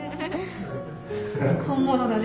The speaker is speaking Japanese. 本物だね。